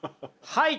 はい。